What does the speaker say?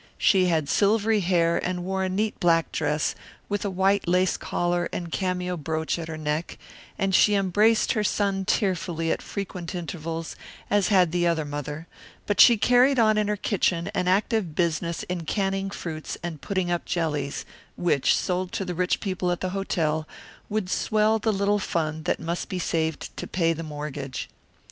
She had silvery hair and wore a neat black dress, with a white lace collar and a cameo brooch at her neck, and she embraced her son tearfully at frequent intervals, as had the other mother; but she carried on in her kitchen an active business in canning fruits and putting up jellies, which, sold to the rich people at the hotel, would swell the little fund that must be saved to pay the mortgage.